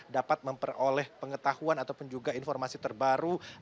dapat memperoleh pengetahuan ataupun juga informasi terbaru